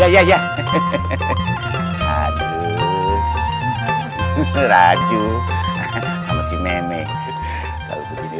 jangan lupa like share dan subscribe ya